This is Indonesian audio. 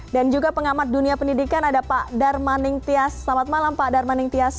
dan juga pengamat dunia pendidikan ada pak darmaning tias selamat malam pak darmaning tias